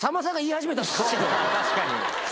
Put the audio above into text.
確かに。